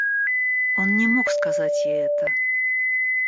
Он не мог сказать ей это.